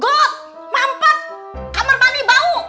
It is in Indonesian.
bu mampat kamar mandi bau